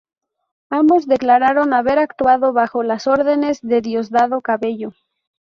Ambos declararon haber actuado bajo las órdenes de Diosdado Cabello.